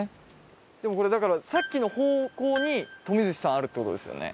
でもこれだからさっきの方向にトミズシさんあるって事ですよね。